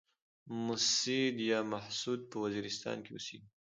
مسيد يا محسود په وزيرستان کې اوسيږي.